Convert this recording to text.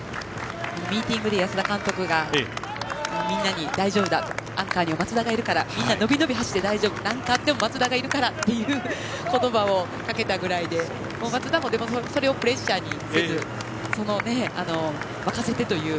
ミーティングで安田監督がみんなに大丈夫だアンカーには松田がいるからみんな伸び伸びして大丈夫という声をかけたぐらい松田もそれをプレッシャーにせず任せてという。